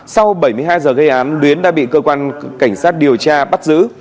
sau bảy mươi hai giờ gây án luyến đã bị cơ quan cảnh sát điều tra bắt giữ